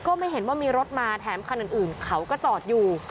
ไม่เห็นว่ามีรถมาแถมคันอื่นเขาก็จอดอยู่